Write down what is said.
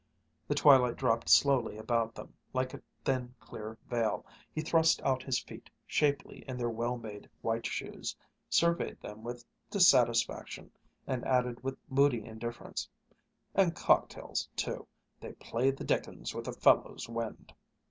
The twilight dropped slowly about them like a thin, clear veil. He thrust out his feet, shapely in their well made white shoes, surveyed them with dissatisfaction, and added with moody indifference: "And cocktails too. They play the dickens with a fellow's wind."